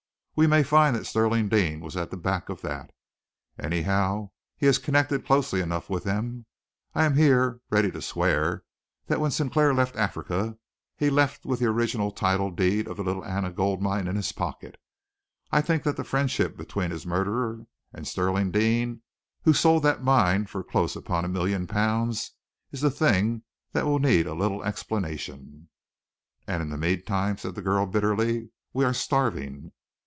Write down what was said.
We may find that Stirling Deane was at the back of that. Anyhow, he is connected closely enough with them. I am here, ready to swear that when Sinclair left Africa he left with the original title deed of the Little Anna Gold Mine in his pocket. I think that the friendship between his murderer and Stirling Deane, who sold that mine for close upon a million pounds, is a thing that will need a little explanation." "And in the meantime," said the girl bitterly, "we are starving."